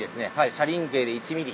車輪径で１ｍｍ。